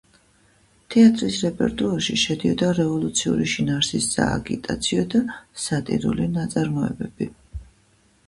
თეატრის რეპერტუარში შედიოდა რევოლუციური შინაარსის სააგიტაციო და სატირული ნაწარმოებები.